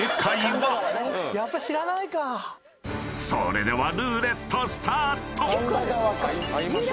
［それではルーレットスタート！］